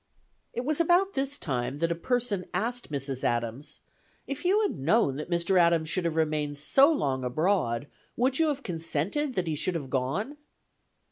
It was about this time that "a person" asked Mrs. Adams, "If you had known that Mr. Adams should have remained so long abroad, would you have consented that he should have gone?"